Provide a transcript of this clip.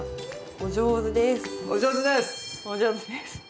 お上手です。